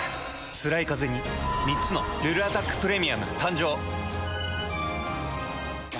つらいカゼに３つの「ルルアタックプレミアム」誕生。